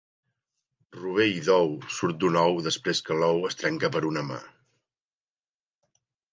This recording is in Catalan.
Rovell d'ou surt d'un ou després que l'ou es trenca per una mà